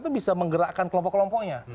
itu bisa menggerakkan kelompok kelompoknya